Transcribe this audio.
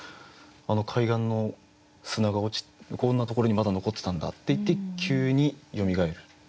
あの海岸の砂が落ちこんなところにまだ残ってたんだっていって急によみがえる。